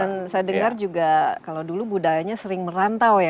dan saya dengar juga kalau dulu budayanya sering merantau ya